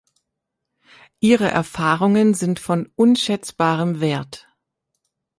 Ihre Erfahrungen sind von unschätzbarem Wert.